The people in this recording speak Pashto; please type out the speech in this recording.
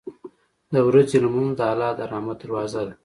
• د ورځې لمونځ د الله د رحمت دروازه ده.